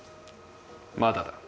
まだだ